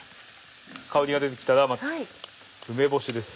香りが出てきたら梅干しです。